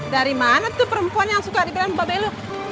dari mana tuh perempuan yang suka diberan mbak belok